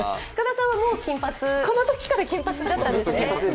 塚田さんはこのときから金髪だったんですね。